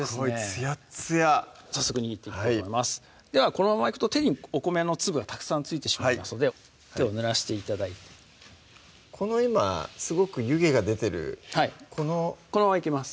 つやっつや早速握っていこうと思いますではこのままいくと手にお米の粒がたくさん付いてしまいますので手をぬらして頂いてこの今すごく湯気が出てるこのこのままいきます